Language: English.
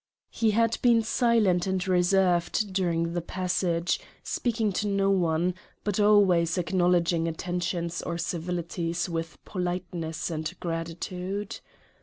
He had been silent and reserved during the passage ; speaking to no one, but always acknowledging attentions or civilities with politeness and gratitude.